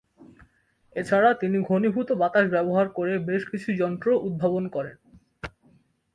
এছাড়া তিনি ঘনীভূত বাতাস ব্যবহার করে বেশ কিছু যন্ত্র উদ্ভাবন করেন।